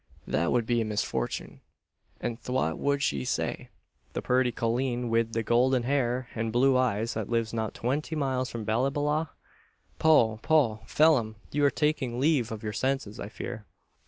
that wud be a misforthune; an thwat wud she say the purty colleen wid the goodlen hair an blue eyes, that lives not twinty miles from Ballyballagh?" "Poh, poh! Phelim! you're taking leave of your senses, I fear."